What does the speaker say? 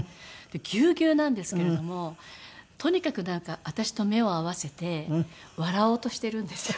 ギュウギュウなんですけれどもとにかくなんか私と目を合わせて笑おうとしてるんですよ。